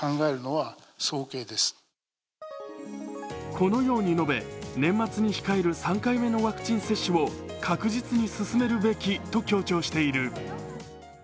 このように述べ、年末に控える３回目のワクチン接種を確実に進めるべきと強調している。